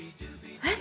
えっ？